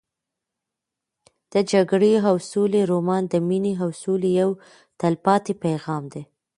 د جګړې او سولې رومان د مینې او سولې یو تلپاتې پیغام دی.